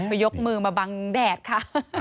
ยกมือมาบังแดดค่ะ